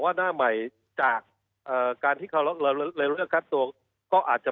หน้าใหม่จากการที่เขาเร็วเลือกคัดตัวก็อาจจะ